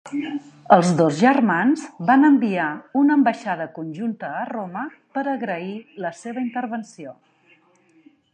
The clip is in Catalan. Els dos germans van enviar una ambaixada conjunta a Roma per agrair la seva intervenció.